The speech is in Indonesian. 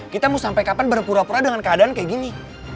kita mau sampai kapan berpura pura dengan keadaan kayak gini